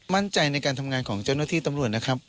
มั่นใจในการทำงานของเจ้าหน้าที่ตำรวจนะครับ